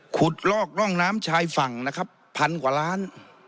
ลอกร่องน้ำชายฝั่งนะครับพันกว่าล้าน